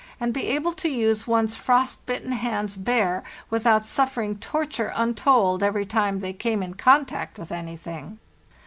and be able to use one's frost bitten hands bare, without suffer ing torture untold every time they came in contact with anything.